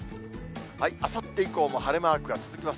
あさって以降も晴れマークが続きます。